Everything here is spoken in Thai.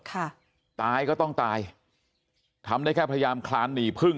ตายก็ต้องตายทำได้แค่พยายามคลานหนีพึ่ง